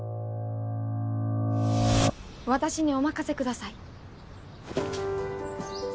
私にお任せください。